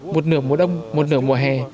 một nửa mùa đông một nửa mùa hè